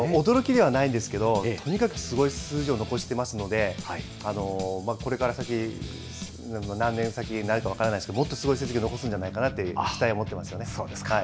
驚きではないんですけど、とにかくすごい数字を残していますので、これから先、何年先になるか分からないですけど、もっとすごい成績を残すんじゃないかなという期待を持っていますよね。